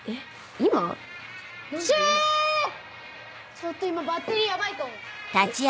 ちょっと今バッテリーヤバいかも。